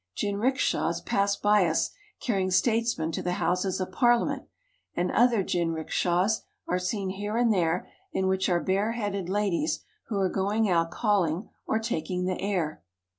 Jinriki shas pass by us carrying statesmen to the Houses of Parliament, and other jinrikishas are seen here and there in which are bare headed ladies who are going out calling or taking the air.